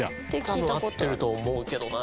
多分合ってると思うけどな。